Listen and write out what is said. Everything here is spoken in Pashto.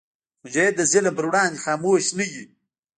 مجاهد د ظلم پر وړاندې خاموش نه وي.